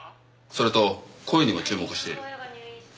それと声にも注目している。